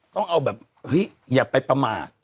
ต้องเอาแบบเฮ้ยอย่าไปประมาท